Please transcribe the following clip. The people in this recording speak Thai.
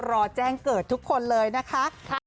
รอแจ้งเกิดทุกคนเลยนะคะ